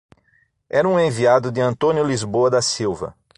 Era um enviado de Antônio Lisboa da Silva.